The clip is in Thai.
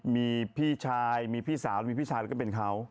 มีพี่ชายมีพี่สาวมีพี่ชายแล้วก็เป็นเขา